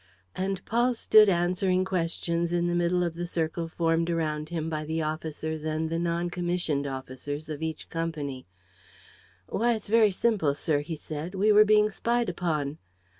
And Paul stood answering questions in the middle of the circle formed around him by the officers and the non commissioned officers of each company. "Why, it's very simple, sir," he said. "We were being spied upon."